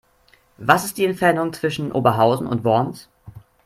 Was ist die Entfernung zwischen Oberhausen und Worms?